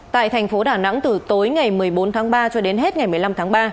tại thành phố đà nẵng từ tối ngày một mươi bốn tháng ba cho đến hết ngày một mươi năm tháng ba